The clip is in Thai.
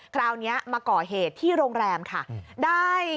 คราวนี้มาก่อเหตุที่โรงแรมค่ะ